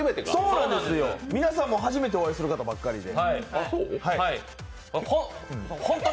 皆さんも初めてお会いする方ばかりで。